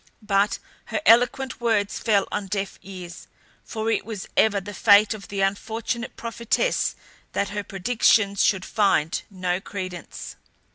But her eloquent words fell on deaf ears; for it was ever the fate of the unfortunate prophetess that her predictions should find no credence.